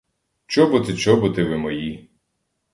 Чоботи, чоботи ви мої!